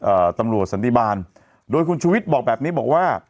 เอ่อตำรวจสันติบาลโดยคุณชูวิทย์บอกแบบนี้บอกว่า